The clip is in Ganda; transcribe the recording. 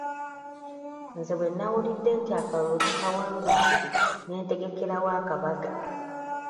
Nze bwe nnawulidde nti akalulu tukawangudde n'entegekerawo akabaga.